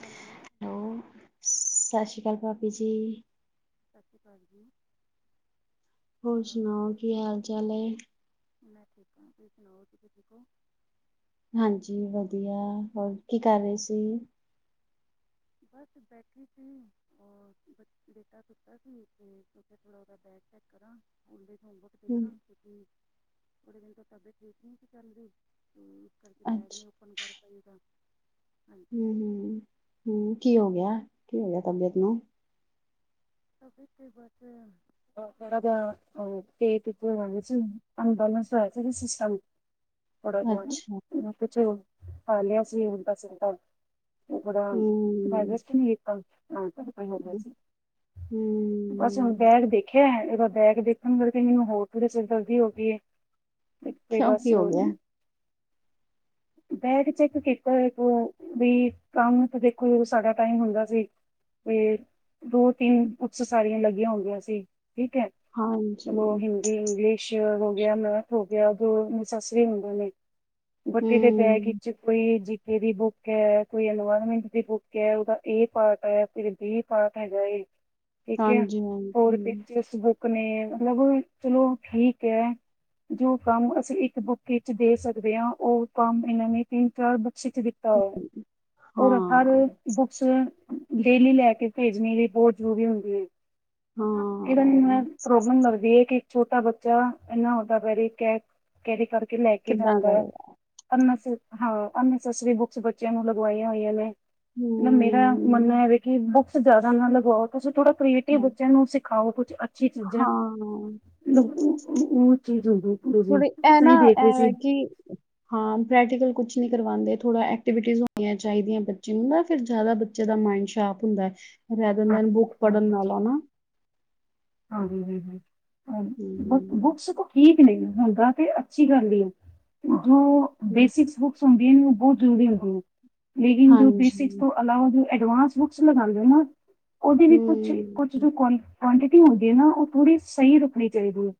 Hello. Hello, ਸਤਿ ਸ਼੍ਰੀ ਅਕਾਲ ਭਾਬੀ ਜੀ। ਭਾਬੀ। ਹੋਰ ਸੁਣਾਓ, ਕੀ ਹਾਲ ਚਾਲ ਏ? ਸ਼੍ਰੀ ਮੈਂ ਠੀਕ ਹਾਂ, ਤੁਸੀਂ ਸੁਣਾਓ ਤੁਸੀਂ ਠੀਕ ਔ? ਹਾਂਜੀ ਵਧੀਆ, ਹੋਰ ਕੀ ਕਰ ਰੇ ਸੀ? ਬਸ ਬੈਠੀ ਸੀ ਔਰ ਬੱਚਾ ਬੇਟਾ ਸੁੱਤਾ ਸੀ ਤੇ ਮੈਂ ਕਿਆ ਥੋੜਾ ਔਦਾ ਬੈਗ ਚੈੱਕ ਕਰਾਂ। ਹੋਮਵਰਕ ਹੂੰ, ਦੇਖਾਂ ਤੇ ਕੀ ਥੋੜੇ ਦਿਨ ਤੋਂ ਤਬੀਅਤ ਠੀਕ ਨੀ ਸੀ ਚਲਦੀ, ਹੂੰ। ਕਰਕੇ ਬੈਗ ਨੀ ਅੱਛਾ, ਔਪਨ ਕਰ ਪਾਈ ਔਦਾ। ਹੂੰ ਹੂੰ ਹੂੰ, ਹੂੰ। ਕੀ ਹੋ ਗਿਆ ਕੀ ਹੋ ਗਿਆ ਤਬੀਅਤ ਨੂੰ ਥੋੜਾ ਜਾ ਅ ਪੇਟ ਚ ਹੋਗੀ ਸੀ ਅਨਬੈਲੇਂਸ ਹੋਆ ਸੀ ਨਾ ਸਿਸਟਮ। ਥੋੜਾ ਬੋਈ ਅੱਛਾ, ੳਨੂੰ ਪੂਛੋ। ਖਾ ਲਿਆ ਸੀ ਵੀ ਹੁਣ ਤਾਂ ਸਿਧਾ। ਏ ਥੋੜਾ ਹੂੰ। ਡਾਈਜਸਟ ਨੀ ਕੀਤਾ। ਹਾਂ ਤੇ ਫਿਰ ਟਾਈਮ ਹੈਗਾ ਸੀ। ਬਸ ਹੁਣ ਹੂੰ, ਬੈਗ ਦੇਖੇ। ਹੈ, ਏਦਾ ਬੈਗ ਦੇਖਣ ਨਲ ਹੋਰ ਥੁਰੇ ਸਿਰਦਰਦੀ ਹੋ ਗੀ ਏ। ਕਿਉਂ ਕਿ ਹੋ ਗਿਐ? ਬੈਗ ਚੈੱਕ ਕੀਤਾ ਏ ਏਕ ਬਈ ਕੰਮ ਤੇ ਦੇਖੋ ਸਾਡਾ ਟਾਈਮ ਹੁੰਦਾ ਸੀ ਬਈ ਰੋਜ਼ ਤਿੰਨ ਏਕਸਰ ਸਾਈਆਂ ਲੱਗੀਆਂ ਹੋਦਿਆਂ ਸੀ। ਠੀਕ ਹੈ ਹਾਂਜੀ। ਚਲੋ ਹਿੰਦੀ ਇੰਗਲਿਸ਼ ਹ ਹੋ ਗਿਆ ਮੈਂਥ ਹੋ ਗਿਆ ਜੋ ਨਸੈਸਰੀ ਹੁੰਦੇ ਨੇ। ਬਟੀ ਦੇ ਬੈਗ ਹੂੰ, ਵਿੱਚ ਕੋਈ ਜਿ ਕਿਦੀ ਬੁੱਕ ਐ, ਕੋਈ ਇਨਵਾਇਰਮੈਂਟ ਦੀ ਬੁੱਕ ਐ, ਉਦਾ ਏ ਪਾਰਟ ਐ ਫਿਰ ਬੀ ਪਾਰਟ ਹੈਗਾ ਏ। ਠੀਕ ਐ ਹਾਂਜੀ ਹੋਰ ਹਾਂਜੀ, ਵਿਚ ਏਸ ਬੂਕ ਨੇ ਮਤਲਬ ਚਲੋ ਠੀਕ ਹੈ ਜੋ ਕੰਮ ਅਸੀਂ ਇੱਕ ਬੁੱਕ ਇਚ ਦੇ ਸਕਦੇ ਹਾਂ ਔ ਕੰਮ ਇਨਾਂ ਨੇ ਤਿੰਨ ਚਾਰ ਬੁਕ ਸਿਕ ਦਿੱਤਾ ਹੋਐ, ਔਰ ਹਰ ਹਾਂ। ਬੁਕਸ ਡੇਲੀ ਲੈ ਕੇ ਭੇਜਣੀ ਰਿਪੋਰਟ ਜੋ ਵੀ ਹੁੰਦੀ ਏ ਇਹ ਹਾਂ, ਨਾਲ ਪ੍ਰੋਬਲਮ ਲਗਦੀ ਏ ਕਿ ਛੋਟਾ ਬੱਚਾ ਇਨਾ ਵੱਡਾ ਭਾਰੀ ਬੈਗ ਕੈਰੀ ਕਰਕੇ ਲੈ ਕੇ ਕਿੱਦਾਂ ਜਾਂਦਾ ਕਰੇਗਾ? ਪੜਣ ਵਾਸਤੇ ਹਾਂ ਅਨਨਸੇਸਰੀ ਬੁੱਕਸ ਬੱਚਿਆਂ ਨੂੰ ਲਗਵਾਈਆਂ ਹੋਈਆਂ ਨੇ ਨ ਮੇਰਾ ਹੂੰ, ਮਨਨਾ ਏ ਹੈ ਕਿ ਬੁਕਸ ਜ਼ਿਆਦਾ ਨ ਲਗਵਾੳ ਤੁਸੀ ਥੋੜਾ ਕ੍ਰੀਏਟਿਵ ਹਾਂ। ਬੱਚਿਆਂ ਨੂੰ ਸਿ ਖਾਓ ਕੁਛ ਅ [unintelligible] [unintelligible] ਥੋੜੇ ਐ ਨਾ ਐ ਹੈ ਕਿ ਹਾਂ ਪ੍ਰੈਕਟੀਕਲ ਕੁਛ ਨੀ ਕਰਵਾਉਦੇ। ਥੋੜ੍ਹਾ ਐਕਟੀਵਿਟੀਜ਼ ਹੋਣੀਆਂ ਚਾਹੀਦੀਆਂ ਬੱਚਿਆਂ ਨੂੰ ਦਾ ਫਿਰ ਜ਼ਿਆਦਾ ਬੱਚੇ ਦਾ ਮਾਈੰਡ ਸ਼ਾਰਪ ਹੁੰਦਾ। ਰੈਦਰ ਹਾਂ ਦੈਨ ਬੁੱਕ ਹਾਂ ਪੜ੍ਹਨ ਨਾਲੋਂ ਨਾ ਹੂੰ ਹੂੰ ਹੂੰ ਹਾਂ ਬੁ ਹੂੰ, ਬੁੱਕਸ ਕੁ ਕੀ [inaudible] ਨਈ, ਹੁੰਦਾ ਤੇ ਅੱਛੀ ਗੱਲ ਈ ਏ। ੳ ਬੇਸਿਕਸ ਬੁੱਕ ਸੰਭੀ ਨੂੰ ਬਹੁਤ ਜ਼ਰੂਰੀ ਏ ੳਨੂ [inaudible] ਲੇਡਿਜ਼ ਨੂੰ ਬੇਸਿਕ ਹਾਂਜੀ, ਤੋਂ ਅਲਾਵ ਜੋ ਐਡਵਾਂਸ ਬੁੱਕਸ ਲਗਾਂਦੇ ਨਾ ਉਹਦੀ ਵੀ ਕੁਛ ਹੂੰ, ਕੁਛ ਦੀ--ਕ ਕੁਆਂਟਿਟੀ ਹੁੰਦੀ ਏ ਨਾ ਉਹ ਪੂਰੀ ਸਈ ਰੱਖਣੀ ਚਾਹੀਦੀ ਏ।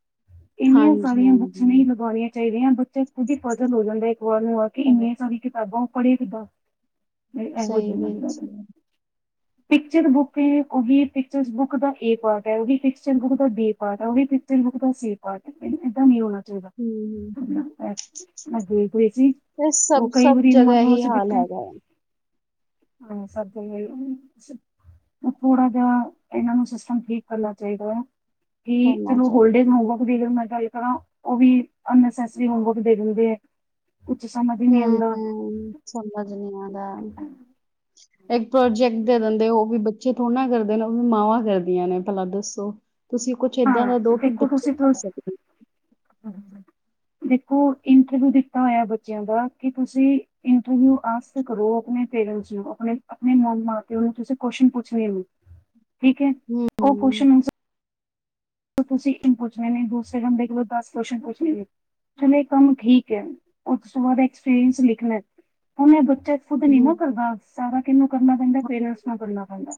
ਇੰਨੀਆਂ ਸਾਰੀਆਂ ਬੁੱਕਸ ਹਾਂਜੀ-ਹਾਂਜੀ, ਨਈ ਲਗਾਣਿਆ ਚਾਹੀਦਿਆ ਬੱਚੇ ਖੁਦ ਹੀ ਪਜ਼ਲ ਹੋ ਜਾਂਦੇ ਨੂੰ ਆ ਕੇ ਉਹ ਏਨੀ ਸਾਰੀ ਕਿਤਾਬਾਂ ਪੜੇ ਕਿਦਾਂ ਸਹੀ ਵਿੱਚ [unintelligible] [inaudible] ਹੀ ਹੈ। ਪਿਕੱਚਰ ਬੁੱਕ ਤੇ ਉਹ ਵੀ ਪਿਕਚਰ ਬੁੱਕ ਦਾ ਏ ਪਾਰਟ ਏ, ਉਹ ਵੀ ਪਿਕੱਚਰ ਬੁੱਕ ਦਾ ਬੀ ਪਾਰਟ ਏ, ਉਹ ਵੀ ਪਿਕਚਰ ਬੁੱਕ ਦਾ ਸੀ ਪਾਰਟ ਏ। ਏਦਾਂ ਨੀ ਹੋਨਾ ਹੂੰ, ਮੈਂ ਦੇਖ ਰਈ ਸੀ ਇਹ ਸਭ ਉਹ ਕਈ ਸਭ ਵਰੀ ਜਗ੍ਹਾ ਮਨ ਲੋ ਇਹੀ ਅਸੀ ਹਾਲ ਬੈਠੇ ਹੈਗਾ ਹੈ, ਹਾਂ ਸਭ ਜਗ੍ਹਾ ਏਹੀ ਇਹ ਥੋੜਾ ਜਿਹਾ ਇਹਨਾਂ ਨੂੰ ਸਿਸਟਮ ਠੀਕ ਕਰਨਾ ਚਾਹੀਦਾ ਏ। ਕੀ ਹੋਣਾ ਤਨੂੰ ਚਾਹੀਦਾ। ਹੋਲਡੇ ਹੋਮਵਰਕ [unintelligible] [inaudible] ਗੱਲ ਕਰਾਂ ਉਹ ਵੀ ਅਨਨਸੇਸਰੀ ਹੋਮਵਰਕ ਦੇ ਦਿੰਦੇ ਏ। ਹੁ ਹੁ ਸਮਝ ਨੀ ਆ ਇੱਕ ਪ੍ਰੋਜੈਕਟ ਦੇ ਦਿੰਦੇ-ੳ ਉਹ ਵੀ ਬੱਚੇ ਥੋੜ੍ਹ ਨਾ ਕਰਦੇ ਨੇ ਉਹ ਵੀ ਮਾਵਾਂ ਕਰਦੀਆਂ ਨੇ ਭਲਾ ਦੱਸੋ। ਤੁਸੀਂ ਕੁਛ ਏਦਾਂ ਹਾਂ ਦਾ ਦੋ ਕਿ ਦੇਖੋ ਬੱਚੇ ਤੁਸੀਂ ਕਰ ਤਾਂ ਸਕਨ। ਦੇਖੋ ਇੰਟਰਵਿਊ ਦਿੱਤਾ ਹੋਇਆ ਬੱਚਿਆਂ ਦਾ ਕਿ ਤੁਸੀਂ ਇੰਟਰਵਿਊਸ ਆਸ ਕਰੋ ਆਪਣੇ ਪੇਰੈਂਟ ਨੂੰ ਆਪਣੇ ਮਾਂ ਪਿਓ ਨੂੰ ਤੁਸੀਂ ਕੋਸ਼ਨ ਪੁੱਛਣੇ ਨੇ। ਠੀਕ ਏ ਹੂੰ, ਉਹ ਕੋਸ਼ਣ ਤੁਸੀਂ ਪੁੱਛਨੇ ਨੇ ਦੂਸਰੇ ਬੰਦੇ ਕੋਲ ਦਸ ਕੋਸ਼ਨ ਪੁੱਛਨੇ ਨੇ ਚਲੋ ਇਹ ਕੰਮ ਠੀਕ ਏ ਉਸ ਤੋਂ ਬਾਅਦ ਐਕਸਪੀਰੀਅੰਸ ਲਿਖਣਾ ਹੁਨ ਇਹ ਬ ਤੇ ਖੁਦ ਨੀ ਹੂੰ, ਨਾ ਕਰਦਾ ਸਾਰਾ ਕਿਹਨੂੰ ਕਰਨਾ ਪੈਂਦਾ ਪੇਰੈਂਟਸ ਨੂੰ ਕਰਨਾ ਪੈਂਦਾ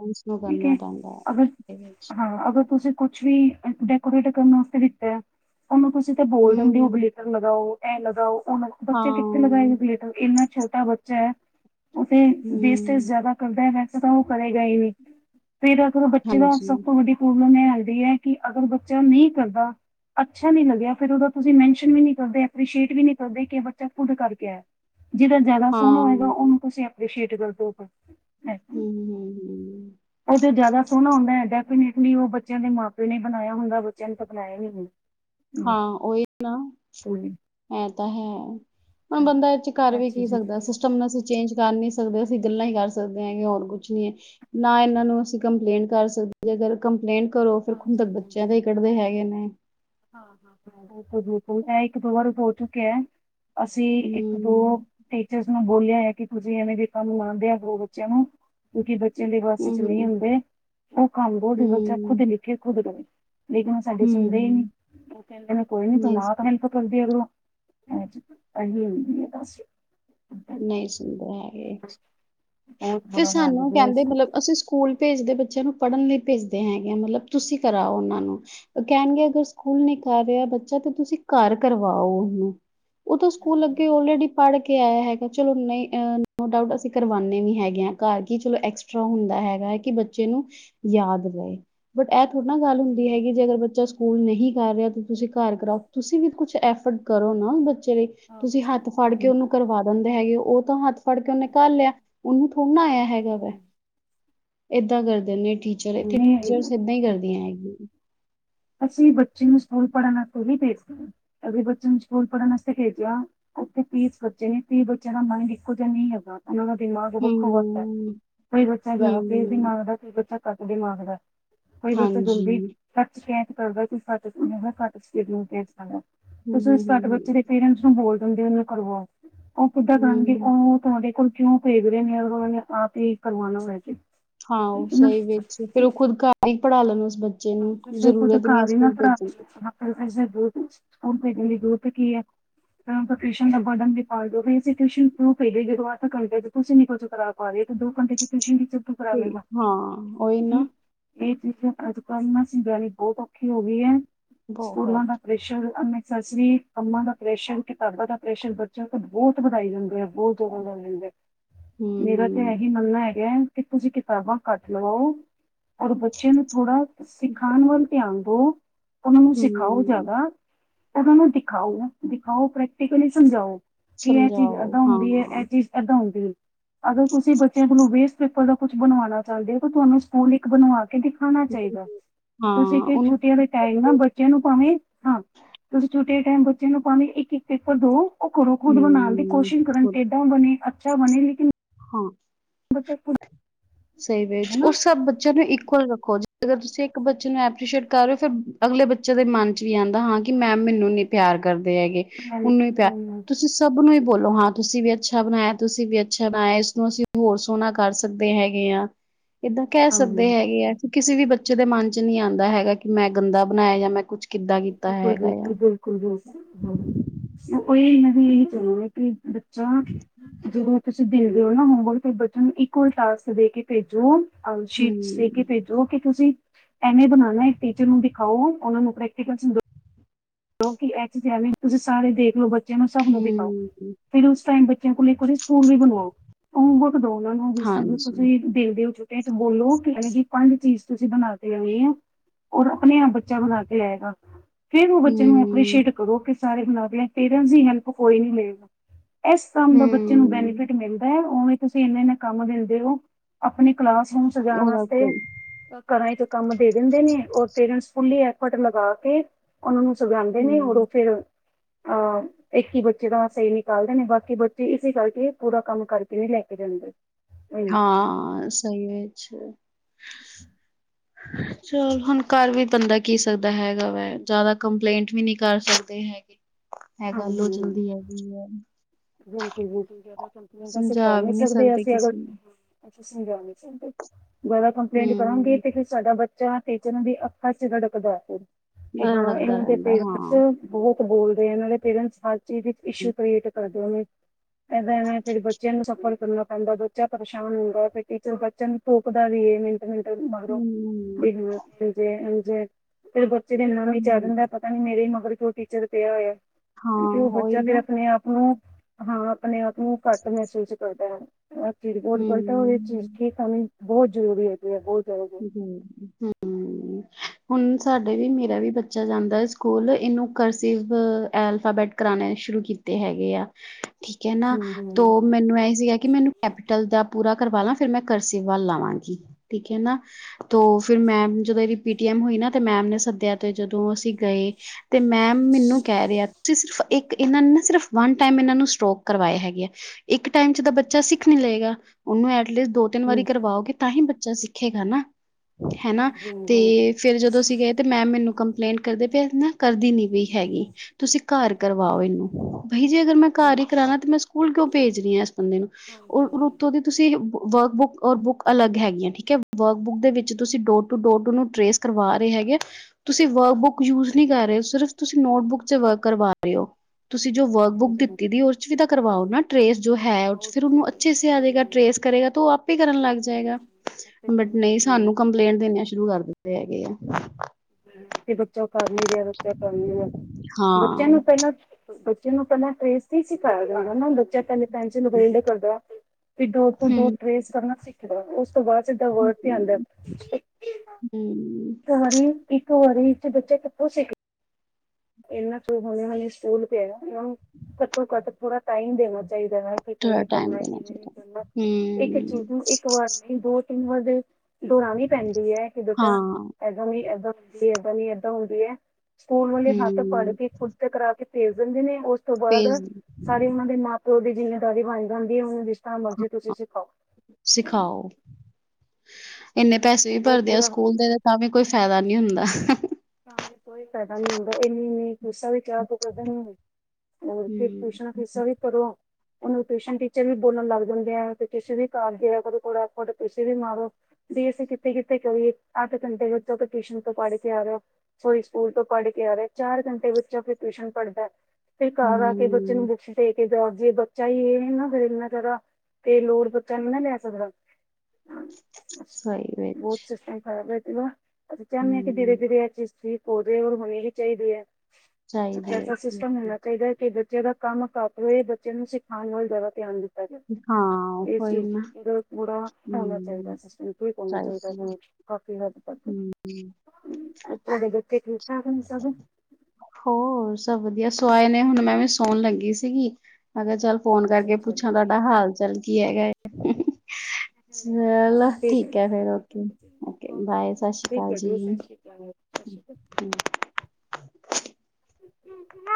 ਡਾਂਸ ਨੂੰ ਠੀਕ ਕਰਨਾ ਏ ਪੈਂਦਾ ਹੈ, ਅਗਰ ਦੇ ਵਿੱਚ ਹਾਂ ਅਗਰ ਤੁਸੀਂ ਕੁਛ ਵੀ ਡੈਕੋਰੇਟ ਕਰਨ ਵਾਸਤੇ ਦਿੱਤਾ ਉਹਨੂੰ ਤੁਸੀ ਤੇ ਬੋਲ ਦਿੰਦੇ ਓ ਹੂੰ, ਗਲਿਟਰ ਲਗਾਓ। ਐ ਲਗਾਓ। ਉਹ ਬੱਚੇ ਕਿੱਥੇ ਲਗਾਏ ਹਾਂ, ਗਲਿਟਰ ਇਹਨਾ ਛੋਟਾ ਬੱਚਾ ਏ। ਉਹ ਤੇ ਵੇਸਟੇਜ ਹੂੰ, ਜਿਆਦਾ ਕਰਦਾ ਹੈਗਾ। ਤਾਂ ਉਹ ਕਰੇਗਾ ਹੀ ਨਹੀਂ। ਫੇਰ ਅਗਰੋਂ ਬੱਚੇ ਦਾ ਹਾਂਜੀ, ਸਭ ਤੋਂ ਵੱਡੀ ਪ੍ਰੋਬਲਮ ਹੈ ਕਿ ਅਗਰ ਬੱਚਾ ਨਹੀਂ ਕਰਦਾ ਅੱਛਾ ਨੀ ਲੱਗਿਆ ਫੇਰ ਉਹਦਾ ਤੁਸੀਂ ਮੈਨਸ਼ਨ ਵੀ ਨੀ ਕਰਦੇ ਐਪਰੀਸ਼ੀਏਟ ਵੀ ਨਹੀਂ ਕਰਦੇ ਕਿ ਬੱਚਾ ਖੁਦ ਕਰਕੇ ਆਇਆ। ਜਿਹਦਾ ਜ਼ਿਆਦਾ ਸੋਹਣਾ ਹਾਂ, ਹੋਏਗਾ ਉਹਨੂੰ ਤੁਸੀਂ ਅਪ [unintelligible] ਹੂੰ, ਹੂੰ, ਹੂੰ, ਜ਼ਿਆਦਾ ਸੋਹਣਾ ਹੁੰਦਾ ਹੈ ਡੈਫੀਨੇਟਲੀ ਉਹ ਬ ਬੱਚਿਆਂ ਦੇ ਮਾਂ ਪਿਓ ਨੇ ਬਣਾਇਆ ਹੁੰਦਾ ਬੱਚਿਆਂ ਨੂੰ ਤਾਂ ਬਣਾਇਆ ਹੀ ਹੁੰ ਹਾਂ ਉਹੀ ਨਾ ਇਹ ਤਾਂ ਹੈ ਹੁਣ ਬੰਦਾ ਇਹ ਚ ਕਰ ਵੀ ਅੱਛਾ ਕੀ ਜੀ ਸਕਦਾ ਹਾਂਜੀ ਸਿਸਟਮ ਅਸੀਂ ਚੇਂਜ ਕਰ ਨਹੀਂ ਸਕਦੇ ਅਸੀਂ ਗੱਲਾਂ ਹੀ ਕਰ ਸਕਦੇ ਹੈਗੇ ਹੋਰ ਕੁਛ ਨੀ ਹੈ ਨਾ ਇਹਨਾਂ ਨੂੰ ਅਸੀਂ ਕੰਪਲੇਂਟ ਕਰ ਸਕਦੇ ਅਗਰ ਕੰਪਲੇਂਟ ਫਿਰ ਉਹ ਹਾਂਜੀ ਖੁੰਦਕ ਬੱਚਿਆਂ ਤੇ ਹੀ ਕੱਢਦੇ ਹੈਗੇ ਨੇ। ਹਾਂ-ਹਾਂ ਬਿਲਕੁਲ-ਬਿਲਕੁਲ ਐ ਇੱਕ ਦੋ ਵਾਰ ਹੋ ਚੁੱਕਿਆ ਹੈ। ਅਸੀਂ ਇੱਕ ਦੋ ਹੂੰ, ਟੀਚਰਸ ਨੂੰ ਬੋਲਿਆ ਹੋਇਆ ਕਿ ਤੁਸੀਂ ਐਵੇਂ ਦੇ ਕੰਮ ਨਾ ਦਿਆ ਕਰੋ ਬੱਚਿਆਂ ਨੂੰ ਕਿਉਂਕਿ ਬ ਚੇ ਦੇ ਵੱਸ ਹੂੰ, ਚ ਨਹੀਂ ਹੂੰ, ਹੁੰਦੇ ਉਹ ਕੰਮ ਦੋ ਜੋ ਬੱਚਾ ਹੂੰ, ਖੁਦ ਲਿਖੇ ਖੁਦ ਰੋਹੇ ਲੇਕਿਨ ਉਹ ਸਾਡੇ ਸੁਣਦੇ ਹੀ ਨਹੀਂ। ਹੂੰ, ਉਹ ਕਹਿੰਦੇ ਨੇ ਕੋਈ ਨੀ ਨਹੀਂ ਤੁਹਾਨੂੰ ਆਪ ਹੈਲਪ ਕਰ [unintelligible] ਨਹੀਂ ਸੁਣਦੇ ਹੈਗੇ ਬਹੁਤ ਫਿਰ ਬੁਰਾ ਹਾਲ ਹੋ ਸਾਨੂੰ ਗਿਆ ਕਹਿੰਦੇ ਇਸ ਮਤਲਬ ਅਸੀਂ ਸਕੂਲ ਭੇਜਦੇ ਬੱਚਿਆਂ ਨੂੰ ਪੜ੍ਹਨ ਲਈ ਭੇਜਦੇ ਹੈਗੇ ਆ ਮਤਲਬ ਤੁਸੀਂ ਕਰਾਓ ਉਹਨਾਂ ਨੂੰ ਕਹਿਣਗੇ ਅਗਰ ਸਕੂਲ ਨ ਕਰ ਰਿਹਾ ਬੱਚਾ ਤੇ ਤੁਸੀਂ ਘਰ ਕਰਵਾਓ ਉਹਨੂੰ ਉਹ ਤੋਂ ਸਕੂਲ ਅੱਗੇ ਲਰੇਡੀ ਪੜ੍ਹ ਕੇ ਆਇਆ ਹੈਗਾ ਚਲੋ ਨਹੀਂ ਨੋ ਡਾਊਟ ਅਸੀਂ ਕਰਵਾਉਨੇ ਵੀ ਹੈਗੇ ਹਾਂ ਘਰ ਕੀ ਚਲੋ ਐਕਸਟਰਾ ਹੁੰਦਾ ਹੈਗਾ ਹੈ ਕਿ ਬੱਚ ਬੱਚੇ ਨੂੰ ਯਾਦ ਰਹੇ ਬਟ ਇਹ ਤਾਂ ੋੜ੍ਹ ਨਾ ਗੱਲ ਹੁੰ ਹੈ ਜੇ ਅਗਰ ਬੱਚਾ ਸਕ ਸਕੂਲ ਨਹੀਂ ਕਰ ਰਿਹਾ ਤੇ ਤੁਸੀਂ ਘਰ ਕਰਾਓ ਤੁਸੀਂ ਵੀ ਕੁਛ ਐਫਰਟ ਕਰੋ ਨਾ ਤੁਸੀਂ ਹੱਥ ਫੜ ਕੇ ਉਹਨੂੰ ਕਰਵਾ ਹੈਗੇ ਉਹ ਤਾਂ ਹੱਥ ਫੜ ਕੇ ਉਹਨੇ ਕਰਰ ਲਿਆ ਉਹਨੂੰ ਥੋੜ੍ਹਾ ਨਾ ਆਇਆ ਹੈਗਾ ਵਾ ਏਦਾਂ ਕਰਦੇ ਨੇ ਟੀਚਰ ਇੱਥੇ ਨਹੀਂ ਟੀਚਰਸ ਏਦਾਂ ਹੀ ਕਰਦੀਆਂ ਹੈਗੀਆਂ ਅਸੀਂ ਬੱਚੇ ਨੂੰ ਸਕੂਲ ਪੜ੍ਹਨ ਵਾਸਤੇ ਹੀ ਭੇਜਦੇ ਅਂ ਬੱਚੇ ਨੂੰ ਸਕੂਲ ਪੜ੍ਹਨ ਵਾਸਤੇ ਭੇਜਿਆ ਉੱਥੇ ਫੀਸ ਬੱਚੇ ਨੇ ਫੀ ਬੱਚਿਆਂ ਦਾ ਮਨ ਇੱਕੋ ਜਿਹਾ ਨਹੀਂ ਹੈਗਾ [unintelligible] ਦਿਮਾਗ ਹੂੰ ਹੂੰ ਦਾ ਹੈਗਾ ਤਾਂ ਹਾਂਜੀ ਜਲਦੀ [unintelligible] ਤੁਸੀਂ ਹੂੰ ਹੂੰ ਹੂੰ ਸੱਟ ਬੱਚੇ ਹੂੰ ਦੇ ਪੇਰੈਂਟਸ ਨੂੰ ਹੋਰ, [unintelligible] ਉਹ ਪੁਧਾ ਕਰਣਦੀ ਹੂੰ ਉਹ ਤੁਹਾਡੇ ਕੋਲ ਕਿਉਂ ਫੇਕਦੇਹੇ ਨੇ ਉਹਨਾਂ ਨੇ ਆਪ ਹੀ ਕਰਵਾਣਾ ਜਾ ਕੇ। ਹਾਂ ਉਹ ਸਹੀ ਵਿੱਚ ਫੇਰ ਉਹ ਖੁਦ ਘਰ ਹੀ ਪੜ੍ਹਾ ਲੈਦਾ ਉਸ ਬੱਚੇ ਹਾਂ ਨੂੰ ਫੇਰ ਜ਼ਰੂਰਤ ਨਹੀਂ ਹੈ ਘਰ ਹੀ ਨਾ ਸਕੂਲ ਪੜ੍ਹਾ ਭੇਜਣ ਦੀ ਦੲੀਏ ਸਕੂਲ ਦੀ ਜਰੂਰਤ ਕੀ ਹੈ, ਟਿਊਸ਼ਨ ਦਾ ਬਰਡਨ ਵੀ ਪਾ ਦਿਓ ਅਸੀਂ ਟਿਊਸ਼ਨ ਪੇੋ ਅੱ ਘੰਟੇ ਚ ਤੁਸੀਂ ਨੀ ਕੁੋਂ ਕਰਾ ਪਾ ਰਹੇ ਤੇ ਦੋ ਘੰਟੇ ਚ ਟਿਊਸ਼ਨ ਦੀ ਠੀ ਹਾਂ ਉਹੀ ਨਾ। [inaudible] ਮਸੀ ਗੈਣੀ ਬਹੁਤ ਔਖੀ ਹੋ ਗਈ ਹੈ। ਸਕੂਲਾ ਦਾ ਬਹੁਤ ਪ੍ਰੇਸ਼ਰ ਸਤਿ ਸ਼੍ਰੀ ਕੰਮਾਂ ਦਾ ਪ੍ਰੈਸ਼ਰ ਕਿਤਾਬਾਂ ਦਾ ਪ੍ਰੈਸ਼ਰ ਬੱਚਿਆਂ ਤੋਂ ਬਹੁਤ ਵਧਾਈ ਜਾਂਦੇ ਆ। ਬਹੁ ਜ਼ੋਦੇ ਨਰਾਥ ਹੈਗੀ ਮੇਰਾ ਤਾ ਹੂੰ ਇਹੀ ਮੰਨਾ ਹੈਗੇ। ਕਿ ਤੁਸੀਂ ਕਿਤਾਬਾਂ ਕੱਟ ਲਵਾਓ ਔਰ ਬੱਚੇ ਨੂੰ ਥੋੜਾ- ਸਿਖਾਉਣ ਵੱਲ ਧਿਆਨ ਦੋ, ਉਹਨਾਂ ਨੂੰ ਸਿਖਾਓ ਹੂੰ ਜ਼ਿਆਦਾ। ਉਹਨਾ ਨੂੰ ਦਿਖਾਓ, ਦਿਖਾਓ ਪ੍ਰੈਕਟੀਕਲੀ ਸਮਝਾਓ। ਕੀ ਇਹ ਚੀਜ਼ ਸਮਝਾਓ ਏਦਾਂ ਹਾਂ ਹੁੰਦੀ ਹੈ ਇਹ ਚੀਜ਼ ਏਦਾਂ ਹੁੰਦੀ ਹੈ। ਅਗਰ ਤੁਸੀਂ ਬੱਚਿਆਂ ਕੋਲ ਵੇਸਟ ਪੇਪਰ ਦਾ ਕੁਛ ਬਣਵਾਉਣਾ ਚਾਹੁੰਦੇ ਹੋ ਤਾਂ ਤੁਹਾਨੂੰ ਸਕੂਲ ਇੱਕ ਬਣਵਾ ਦਿਖਾਣਾ ਚਾਹੀਦਾ। ਹਾਂ ਤੁਸੀਂ ਕਿ ਉਹਨੂੰ ਛੁੱਟੀਆਂ ਦੇ ਟਾਈਮ ਨਾ ਬੱਚਿਆਂ ਨੂੰ ਭਾਵੇਂ ਹਾਂ ਤੁਸੀਂ। ਛੁੱਟੀਆਂ ਟਾਈਮ ਬੱਚਿਆਂ ਨੂੰ ਭਾਵੇਂ ਇੱਕ ਇੱਕ ਪੇਪਰ ਦੋ। ਉਹ ਕਰੋ ਖੁਦ ਬਣਾਉਣ ਦੀ ਹੂੰ ਕੋਸ਼ਿਸ਼ ਕਰਨ ਖੁਦ- ਟੇਡਾਂ ਬਣੇ ਅੱਛਾ ਬਣੇ ਲੇਕਿਨ ਹਾਂ। ਬੱਚਾ ਖੁਦ ਸਹੀ ਵੇ ਚ ਹਨਾ ਉਹ ਸਭ ਬੱਚਿਆਂ ਨੂੰ ਇਕੁਅਲ ਰੱਖੋ ਜ ਅਗਰ ਤੁਸੀਂ ਬੱਚੇ ਨੂੰ ਐਪ੍ਰਰੀਸ਼ੀਏਟ ਕਰ ਰਹੇ ਹੋ ਫਿਰ ਅਗਲੇ ਬੱਚੇ ਦੇ ਮਨ ਚ, ਵੀ ਆਹਿੰਦਾ ਹਾਂ ਕਿ ਮੈਮ ਮੈਨੂੰ ਨੀ ਪਿਆਰ ਕਰਦੇ ਹੈਗੇ ਉਹਨੂੰ ਹੀ ਪਿਆਰ ਤੁਸੀਂ ਸਭ ਨੂੰ ਹੀ। ਬੋਲੋ ਹਾਂ ਤੁਸੀਂ ਵੀ ਅੱਛਾ ਬਣਾਇਆ ਤੁਸੀਂ ਵੀ ਅੱਛਾ। ਬਣਾਇਆ ਇਸਨੂੰ ਅਸੀਂ ਹੋਰ ਸੋਨਾ ਕਰ ਸਕਦੇ ਹੈਗੇ ਆ। ਏਦਾਂ ਕਹਿ ਸਕਦੇ ਬਿਲਕੁਲ ਹੈਗੇ ਆ ਕਿ ਕਿਸੇ ਵੀ ਬੇ ਕੁਛ ਦੇ ਮਨ ਚ ਨਹੀਂ ਆਦਾ ਹੈਗਾ ਕਿ ਮੈਂ ਗੰਦਾ ਬਣਾਇਆ ਜਾਂ ਮੈਂ ਕੁਛ। ਕਿੱਦਾਂ ਕੀਤਾ ਬਿਲਕੁਲ, ਹੈਗਾ ਆ ਬਿਲਕੁਲ, ਬਿਲਕੁਲ, ਬਿਲ ਹੂੰ, ਉਹੀ ਮ ਇਹੀ [unintelligible] [inaudible] ਦੇ ਹੋ ਨਾ ਹੋਮਵਰਕ ਫੇਰ ਬੱਚੇ ਨੂੰ ਇੱਕੋ ਹੀ ਟਾਸਕ ਦੇ ਕੇ ਭੇਜੋ। [unintelligible] ਦੇ ਕੇ ਹਮ ਭੇਜੋ ਕਿ ਤੁਸੀਂ ਐਮ ਏ ਬਣਾਣਾ ਇੱਕ ਟੀਚਰ ਨੂੰ ਦਿਖਾਓ ਉਹਨਾਂ ਨੂੰ ਆਪਣੇ। [inaudible] ਕਿਉਂਕਿ ਕਿਵੇ ਤੁਸੀਂ ਸਾਰੇ ਦੇਖਲੋ ਬੱਚੇ। ਬੱਚਿਆਂ ਨੂੰ ਸਭ ਨੂੰ ਦਿਖਾ ਹਮ ਫਿਰ ਉਸ ਟਾਈਮ ਫਿਰ ਇੱਕ ਵਾਰੀ ਸਕੂਲ ਵੀ ਬਣਵਾਓ। ਕਦੋਂ ਉਹਨਾਂ ਨੂੰ ਹਾਂਜੀ ਤੁਸੀਂ ਦੇਖਦੇ ਹੋ ਬੋਲੋ ਕੀ ਇਹੋ ਜਿਹੀ ਪੰਜ ਚੀਜ਼ ਤੁਸੀਂ ਬਣਾ ਕੇ ਆਨੀ ਔਰ ਆਪਣੇ ਆਪ ਬੱਚਾ ਬਣਾ ਕੇ ਆਏਗਾ। ਨੂੰ ਹਮ ਐਪ੍ਰਸ਼ੀਏਟ ਕਰੋ ਕਿਸ ਸਾਰੇ ਬਣਾ ਪੇਰੈਂਟਸ ਦੀ ਹੈਲਪ ਕੋਈ ਨੀ ਲਏਗਾ ਇਸ ਕੰਮ ਦਾ ਬੱਚੇ ਨੂੰ ਹਮ ਬੈਨੀਫਿਟ ਮਿਲਦਾ ਹੈ। ਉਵੇਂ ਤੁਸੀਂ ਇੰਨੇ, ਇੰਨੇ ਕੰਮ ਦਿੰਦੇ ਹੋ ਆਪਣੀ ਕਲਾਸਰੂਮ ਚ ਜਾਣ ਉਹਦਾ ਵਾਸਤੇ ਕੋਈ ਘਰਾਂ ਚ ਕੰਮ ਦੇ ਦਿੰਦੇ ਨੇ ਔਰ ਪੇਰੈਂਟਸ ਫੁੱਲਲੀ ਹੋਟਲ ਲਗਾ ਕੇ ਉਹਨਾਂ ਨੂੰ ਸੁਗਾਦੇ ਨੀ ਹਮ ਹੁੰਦੇ ਫਿਰ ਅ ਇੱਕ ਹੀ ਬੱਚੇ ਤਾਂ ਸਹੀ ਨੀ ਪਾਲਦੇ ਨੇ ਬਾਕੀ ਬੱਚੇ ਇਸੇ ਕਰਕੇ ਪੂਰਾ ਕੰਮ ਕਰਕੇ ਨਹੀਂ ਲੈ ਕੇ ਜਾਂਦੇ। ਹਮ ਹਾਂ, ਸਹੀ ਚਲ ਹੁਣ ਘਰ ਵੀ ਬੰਦਾ ਕੀ ਸਕਦਾ ਹੈਗਾ, ਵਾ ਜ਼ਿਆਦਾ ਕੰਪਲੇਂਟ ਵੀ ਨੀ ਕਰ ਸਕਦੇ ਹੈਗੇ। ਹੈ ਗੱਲ ਉਹ ਹਮ ਚਲਦੀ ਹੈਗੀ ਹੈ। ਬਿਲਕੁਲ, ਬਿਲਕੁਲ ਜੀ। ਕੰਪਨੀ ਪਾਸੀ ਕਰ ਸਮਝਾ ਨਹੀਂ ਵੀ ਸਕਦੇ ਅਸੀਂ ਅਗਰ ਕਿਸੇ ਨੂੰ ਸਹੀ ਗੱਲ ਆ। ਜਿਆਦਾ ਕੰਪਲੇਂਟ ਕਰਾਂਗੇ ਹੂੰ ਤੇ ਫੇਰ ਸਾਡਾ ਬੱਚਾ ਤੇ ਚ ਨ ਅੱਖਾ ਚ ਰੜਦਾ ਕਿ ਹਾਂ ਰੜਕਦਾ ਇਹਨਾਂ ਦੇ ਰਹਿੰਦਾ ਪੇਟ ਹਾਂ ਚ ਬਹੁਤ ਬੋਲਦੇ ਆ ਇਹਨਾਂ ਦੇ ਪੇਰੈਂਟਸ ਜ ਇਸ਼ੂ ਹੂੰ। ਕਰਈ ਇਹਦਾਂ ਐਵੇਂ ਤੇੜ ਬੱਚਿਆਂ ਨੂੰ ਸੂਬ ਕਰਨਾ ਪੈਂਦਾ ਦੱਚਾ ਪਰੇਸ਼ਾਨ ਹੁੰਦਾ ਫਿਰ ਟੀਚਰ ਬੱਚਿਆਂ ਨੂੰ ਧੋਪ ਦਾ ਵੀਏ ਮੈਨੂੰ ਗਟ ਹੂੰ ਬਰ--ਦਿਜੇ ਜ ਇਹ ਜਿਹੇ ਮਨ ਨੂੰ ਵੀ ਚੱਲਨ ਦਾ ਪਤਾ ਨੀ ਮੇਰੇ ਮ ਟੀਚਰ ਪਿਆ ਹੋਇਆ ਜੀ ਉਹ ਹਾਂ ਉਹੀ ਬੱਚਾ ਫਿਰ ਨਾ ਆਪਣੇ ਆਪ ਹਾਂ ਆਪਣੇ ਆਪ ਨੂੰ ਘੱਟ ਮਹਿਸੂਸ ਕਰਦਾ ਹੈ। ਆ ਚ ਗੋਰ ਗਲਟਾ ਹੂੰ। ਹੋ ਚ ਠਕਂ ਬਹੁਤ ਜ਼ਰੂਰੀ ਹੈਗੀ ਹੈ। ਬਹੁਤ- ਜ਼ਰੂਰੀ ਹਮ ਹੁਣ ਸਾਡੇ ਵੀ ਮੇਰਾ ਵੀ ਬੱਚਾ ਜਾਂਦਾ ਹੈ। ਸਕੂਲ ਇਹਨੂੰ ਕਰਸਿਵ ਅਲਫਾਬੈਟ ਕਰਾਉਣੇ ਸ਼ੁਰੂ ਕੀਤੇ ਹੈਗੇ ਆ ਠੀਕ ਹੈ। ਨਾ ਹੂੰ ਤ ਹੂੰ ਮੈਨੂੰ ਇਹ ਸੀਗਾ ਕਿ ਮੈਨੂੰ ਕੈਪੀਟਲ ਦਾ ਪੂਰਾ ਕਰਵਾ ਲਾਂ ਫਿਰ ਮੈਂ ਕਰਸੇ ਵੱਲ ਲਾਵਾਂਗੀ ਠੀਕ ਹੈ। ਨਾ ਤੋ ਫਿਰ ਮੈਮ, ਜਦੋਂ ਇਹਦੀ ਪੀ ਟੀ ਐਮ ਹੋਈ ਨਾ, ਤੇ ਮੈਮ ਨੇ ਸੱਦਿਆ, ਤੇ ਜਦੋਂ ਅਸੀਂ ਗਏ, ਤੇ ਮੈਮ ਮੈਨੂੰ ਕਹਿ ਰਹੇ ਆ ਤੁਸੀਂ ਸਿਰਫ ਇੱਕ ਇਹਨਾਂ ਨੇ ਨਾ ਸਿਰਫ ਵਨ ਟਾਈਮ ਇਹਨਾਂ ਨੂੰ ਸਟੋਕ ਕਰਵਾਏ ਹੈਗੇ ਆ ਇੱਕ ਟਾਈਮ ਚ ਤਾਂ ਬੱਚਾ ਸਿੱਖ ਨੀ ਲਏਗਾ ਉਹਨੂੰ ਐਡ ਜੇ ਦੋ ਤਿੰਨ ਵਾਰੀ ਕਰਵਾਓਗੇ ਤਾਂ ਹੀ ਬੱਚਾ ਬੱਚਾ ਸਿੱਖੇ ਹੈ ਨਾ ਹੈਨਾ। ਤੇ ਫੇਰ ਜਦੋਂ ਅਸੀਂ ਗਏ ਤੇ ਮੈਮ ਮੈਨੂੰ ਕੰਪਲੇਂਟ ਕਰਦੇ ਪਏ ਹੈ ਨਾ, ਕਰਦੀ ਨੀ ਪਈ ਹੈਗੀ। ਤੁਸੀਂ ਘਰ ਕਰਵਾਓ ਇਹਨੂੰ। ਬਾਈ ਜੀ ਅਗਰ ਮੈਂ ਘਰ ਹੀ ਕਰਾਉਣਾ, ਤੇ ਮੈਂ ਸਕੂਲ ਕਿਉਂ ਭੇਜ ਰਹੀ ਹਾਂ ਬੰਦੇ ਨੂੰ, ਔਰ -ਔਰ ਉੱਤੋਂ ਦੀ ਤੁਸੀਂ ਵਰਕ ਬੁੱਕ ਔਰ ਬੁੱਕ ਅਲੱਗ ਹੈਗੀਆਂ। ਠੀਕ ਹੈ? ਵਰਕ ਬੁਕ ਦੇ ਵਿਚ ਤੁਸੀਂ ਡੋਰ ਟੂ ਡੋਰ ਟ੍ਰੇਸ ਕਰਵਾ ਰਹੇ ਹੈਗੇ। ਤੁਸੀਂ ਵਰਕ ਬੁਕ ਯੂਜ਼ ਨਹੀਂ ਕਰ ਰਹੇ, ਸਿਰਫ ਤੁਸੀਂ ਨੋਟਬੁੱਕ ਵਰਕ ਕਰਵਾ ਰਹੇ ਹੋ। ਤੁਸੀਂ ਜੋ ਵਰਕ ਬੁੱਕ ਦਿੱਤੀ ਦੀ ਏ, ਓਸ ਚ ਵੀ ਤਾਂ ਕਰਵਾਓ ਨਾ ਟਰੇਸ ਜੋ ਹੈ ਓਸ ਚ, ਫਿਰ ਉਹਨੂੰ ਅੱਛੇ ਸੇ ਆ ਜਾਏਗਾ ਟਰੇਸ ਕਰੇਗਾ, ਤਾਂ ਉਹ ਆਪੇ ਕਰਨ ਲੱਗ ਜਾਏਗਾ। ਟਰੇਸ ਬਟ ਨਹੀਂ, ਹੂੰ ਸਾਨੂੰ ਕੰਪਲੇਂਟ ਦੇਣੀਆਂ ਸ਼ੁਰੂ ਕਰ ਦਿੱਤੇ ਹੈਗੇ ਆ। [inaudible] [unintelligible] ਓ ਕਰ ਨਹੀ ਰਿਹਾ, ਬੱਚਾ ਕਰ ਨਹੀਂ ਰਿਹਾ। ਬੱਚਿਆਂ ਹਾਂ ਨੂੰ ਪਹਿਲਾਂ ਬੱਚੇ ਨੂੰ ਪਹਿਲਾਂ ਟੇਸਟ ਹੀ ਸਿਖਾਆ ਜਾਂਦਾ ਨਾ ਜਾਂ ਪਹਿਲੇ ਪੈਨਸਿਲ ਨੂੰ ' [unintelligible] ' ਕਰਦਾ, ਫਿਰ ਡੋਟ ਟੂ ਡੋਟ ਹੂੰ ਟਰੇਸ ਕਰਨਾ ਸਿੱਖ ਉਸ ਤੋਂ ਬਾਅਦ ਸਿੱਧਾ ਵਰਡ ਤੇ ਆਂਦਾ ਹੂੰ, ਹੂੰ ਕਈ ਵਾਰੀ, ਇੱਕ ਵਾਰੀ ਚ ਬੱਚੇ ਕਿੱਥੋਂ ਸਿੱਖ ਇਹਨਾਂ ਚ ਹੁਣੇ ਹੁਣੇ ਸਕੂਲ ਪਿਆ। ਹੂੰ, ਘੱਟੋਂ ਘੱਟ ਪੂਰਾ ਟਾਈਮ ਦੇਣਾ ਚਾਹੀਦਾ ਨਾਂ, ਕਿ ਥੋੜਾ ਕਿਵੇਂ ਟਾਈਮ ਕਰਨਾ ਦੇਣਾ ਕਿਵੇਂ ਨਹੀਂ ਚਾਹੀਦਾ ਕਰਨਾ। ਇੱਕ ਹੂੰ ਚੀਜ਼ ਨੂੰ ਇੱਕ ਵਾਰ ਨਹੀਂ ਦੋ ਤਿੰਨ ਵਾਰ ਦੇ ਦੋਹਰਾਣੀ ਪੈਂਦੀ ਹੈ ਕਿ ਬੇਟਾ, ਹਾਂ ਇੱਦਾਂ ਨਹੀਂ ਇੱਦਾਂ। ਸੀ ਏਦਾਂ ਨੀ ਏਦਾਂ ਹੁੰਦੀ ਏ। ਸਕੂਲ ਵਾਲੇ ਹੱਥ ਤਾਂ ਫੜ ਹੂੰ ਕੇ [unintelligible] ਕਰਾ ਕੇ ਭੇਜ ਦਿੰਦੇ ਨੇ। ਉਸ ਤੋਂ ਬਾਅਦ ਭੇਜ ਦਿਓ, ਸਾਰੇ ਉਹਨਾਂ ਦੇ ਮਾਂ ਪਿਓ ਦੀ ਜ਼ਿੰਮੇਵਾਰੀ ਬਣ ਜਾਂਦੀ ਹੈ ਉਨ੍ਹਾਂ ਦੀ। ਸਿਖਾਓ ਇੰਨੇ ਪੈਸੇ ਵੀ ਬਹੁਤ ਭਰਦੇ ਆ ਬੁਰਾ ਹਾਲ ਸਕੂਲ ਹੈ ਦੇ ਤਾਂ ਵੀ ਕੋਈ ਫਾਇਦਾ ਨਹੀਂ ਹੁੰਦਾ ਕੋਈ ਫਾਇਦਾ ਨੀ ਹੁੰਦਾ ਇੰਨੀ [inaudible] ਫੀਸਾਂ ਹੂੰ ਵੀ ਭਰੋ ਉਹਨੂੰ ਟਿਊਸ਼ਨ ਟੀਚਰ ਵੀ ਬੋਲਣ ਲੱਗ ਜਾਂਦੇ ਆ ਕਿਸੇ ਵੀਗੇ ਕੜ ਤੁੇ ਵੀ ਮਾਰੋ ਵੀ ਅਸੀਂ ਕਿਥੇ ਕਿਤੇ ਕਈਏ ਅੱਠ ਘੰਟੇ ਵਿੱਚੋਂ ਟਿਊਸ਼ਨ ਤੋਂ ਪੜ੍ਹ ਕੇ ਆ ਰਿਹਾ ਸੋ ਓਹੀ ਸਕੂਲ ਤੋਂ ਪੜ੍ਹ ਕੇ ਆ ਰਿਹਾ ਚਾਰ ਘੰਟੇ ਬੱਚਾ ਫਿਰ ਟਿਊਸ਼ਨ ਪੜ੍ਹਦਾ ਤੇ ਘਰ ਆ ਕੇ ਬੱਚੇ ਨੂੰ ਹੂੰ ਬੁੱਕਸ ਦੇ ਜੇ ਬੱਚਾ ਹੀ ਇਹ ਨਾ ਫੇਰ ਏਦੇ ਨਾਲਾ ਜਿਆਦਾ ਤੇ ਲੋੜ ਬੱਚਾ ਨੂੰ ਨਾ ਲੈ ਸਕਦਾ ਸਹੀ ਵਿੱਚ ਬਹੁਤ ਸਿਸਟਮ ਖਰਾਬ ਹੈ ਇਹ ਅਸੀਂ ਚਾਨੇ ਆ ਧੀਰੇ ਹੂੰ ਧੀਰੇ ਆ ਪੌਦੇ ਹੋਰ ਹੋਣੀ ਵੀ ਚਾਹੀਦੇ ਹੈ ਅੱਛਾ ਚਾਹੀਦੀ ਐਸਾ ਹੈ ਸਿਸਟਮ ਹੋਣਾ ਚਾਹੀਦਾ ਹੈ ਕਿ ਬੱਚਿਆਂ ਦਾ ਕੰਮ ਕੱਟ ਹੋਏ ਬੱਚਿਆਂ ਨੂੰ ਸਿਖਾਉਣ ਨਾਲ ਜ਼ਿਆਦਾ ਧਿਆਨ ਦਿੱਤਾ ਹਾਂ ਇਸ ਹੋਈ ਨਾ ਹੂੰ ਚਾਹੀਦੀ [unintelligible] ਕਾਫੀ ਹੱਦ ਤੱਕ ਅੱਛਾ ਜਦੋਂ ਕਿ ਕੀ ਹੋਰ ਸਭ ਵਧੀਆ ਸੂ ਸੋਆਏ ਨੇ ਹੁਣ ਮੈਂ ਵੀ ਸੌਣ ਲੱਗੀ ਸੀਗੀ। ਮੈਂ ਕਿਹਾ ਚੱਲ ਫੋਨ ਅੱਛਾ ਕਰਕੇ ਅੱਛਾ ਪੁੱਛਾਂ ਤੁਹਾਡਾ ਠੀਕ ਹੈ। ਹਾਲ ਚਾਲ ਕੀ ਹੈਗਾ। ਠੀਕ ਹੈ ਜੀ ਠੀਕ ਹੈ ਜੀ ਚਲੋ ਸਤਿ ਸ਼੍ਰੀ ਠੀਕ ਹੈ ਫਿਰ ਅਕਾਲ ਓਕੇ ਓਕੇ ਬਾਏ ਸਤਿ ਸ੍ਰੀ ਅਕਾਲ ਜੀ। ਸਤਿ ਸ਼੍ਰੀ ਅਕਾਲ